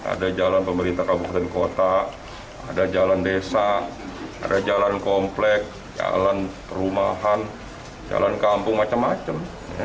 ada jalan pemerintah kabupaten kota ada jalan desa ada jalan komplek jalan perumahan jalan kampung macam macam